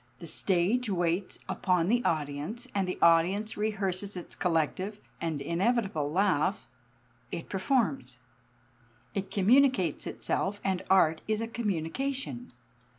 The stage waits upon the audience, and the audience rehearses its collective and inevitable laugh. It performs. It communicates itself, and art is a communication.